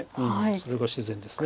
それが自然です。